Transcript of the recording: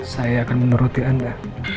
saya akan menuruti anda